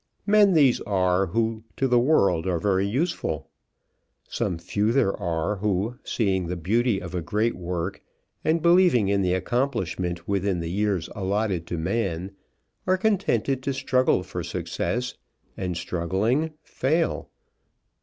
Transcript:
Men these are who to the world are very useful. Some few there are, who seeing the beauty of a great work and believing in its accomplishment within the years allotted to man, are contented to struggle for success, and struggling, fail.